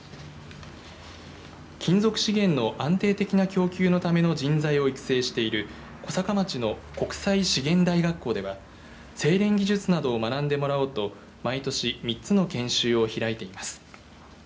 金属資源の安定的な供給のための人材を育成している小坂町の国際資源大学校では製錬技術などを学んでもらおうと毎年、３つの研修を開いています。